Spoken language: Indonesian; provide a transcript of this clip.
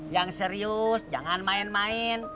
yang serius jangan main main